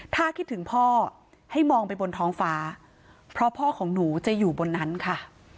ถ้าคิดถึงพ่อให้มองไปบนท้องฟ้าเพราะพ่อของหนูจะอยู่บนนั้นค่ะ